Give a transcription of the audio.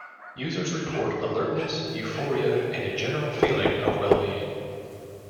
Users report alertness, euphoria and a general feeling of well being.